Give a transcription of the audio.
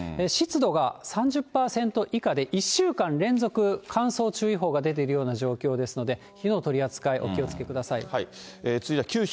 湿度が３０％以下で、１週間連続、乾燥注意報が出ているような状況ですので、火の取り扱い、お気をつけください。